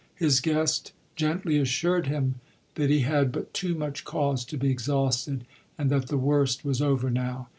His guest gently assured him that he had but too much cause to be exhausted and that the worst was over now.